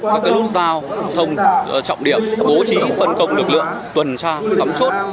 các nút giao thông trọng điểm bố trí phân công lực lượng tuần tra cắm chốt